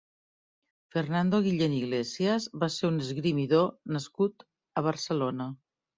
Fernando Guillén Iglesias va ser un esgrimidor nascut a Barcelona.